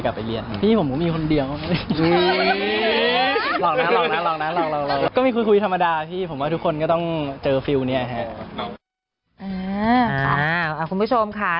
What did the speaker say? คุณผู้ชมค่ะ